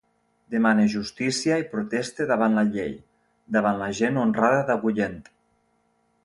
Demane justícia i proteste davant la llei, davant la gent honrada d'Agullent.